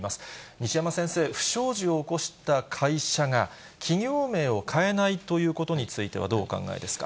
西山先生、不祥事を起こした会社が、企業名を変えないということについては、どうお考えですか。